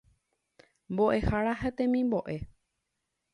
Mbo'ehára ha temimbo'e.